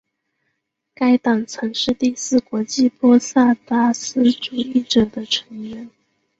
该党曾是第四国际波萨达斯主义者的成员。